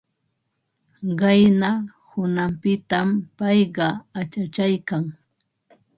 Qayna hunanpitam payqa achachaykan.